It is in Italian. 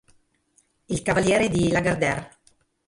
Il cavaliere di Lagardère